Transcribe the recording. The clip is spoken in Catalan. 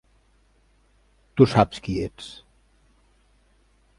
Tu saps qui ets.